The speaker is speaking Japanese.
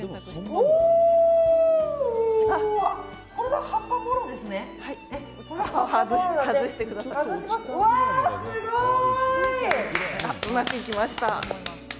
うまくいきました。